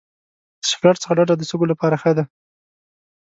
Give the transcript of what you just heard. د سګرټ څخه ډډه د سږو لپاره ښه ده.